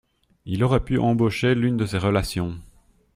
Il aurait pu embaucher l’une de ses relations.